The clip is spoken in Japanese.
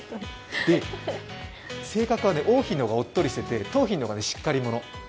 性格は桜浜の方がおっとりしてて、桃浜の方がしっかり者。